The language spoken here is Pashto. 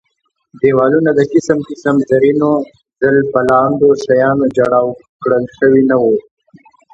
دېوالونه د قسم قسم زرینو ځل بلاندو شیانو جړاو کړل شوي نه وو.